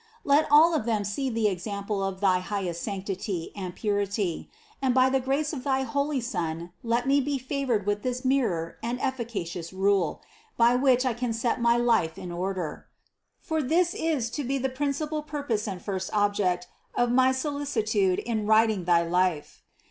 Let all of them see the example of thy high est sanctity and purity, and by the grace of thy most holy Son, let me be favored with this mirror and efficacious rule, by which I can set my life in order. For this is to be the principal purpose and first object of my solicitude in writing thy life.